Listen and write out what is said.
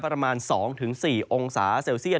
ประมาณ๒๔องศาเซลเซียต